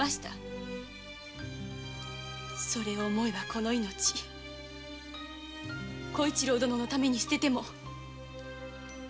それを思えばこの命小一郎殿のために捨てても。